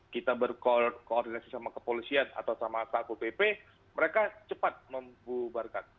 kita berkoordinasi sama kepolisian atau sama satpol pp mereka cepat membubarkan